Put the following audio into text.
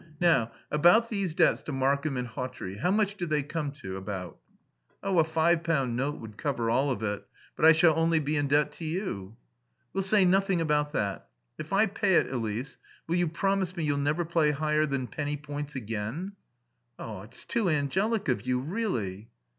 Now, about these debts to Markham and Hawtrey. How much do they come to about?" "Oh, a five pound note would cover all of it. But I shall only be in debt to you." "We'll say nothing about that. If I pay it, Elise, will you promise me you'll never play higher than penny points again?" "It's too angelic of you, really."